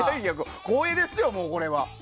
光栄ですよ、これは。